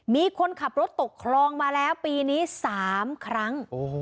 มีคนขับรถตกคลองมาแล้วปีนี้สามครั้งโอ้โห